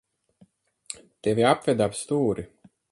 Tevi apveda ap stūri.